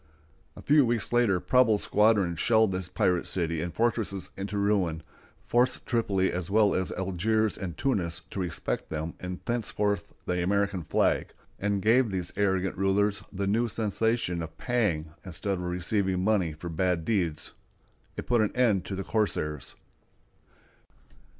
A few weeks later Preble's squadron shelled the pirate city and fortresses into ruin, forced Tripoli as well as Algiers and Tunis to respect them and thenceforth the American flag, and gave these arrogant rulers the new sensation of paying instead of receiving money for bad deeds. It put an end to the corsairs.